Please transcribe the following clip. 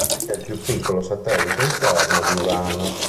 È il più piccolo satellite interno di "Urano".